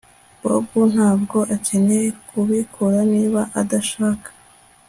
Bobo ntabwo akeneye kubikora niba adashaka